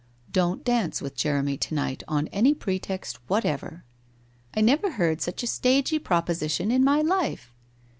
' Don't dance with Jeremy to night on any pretext whatever.' ' I never heard such a stagey proposition in my life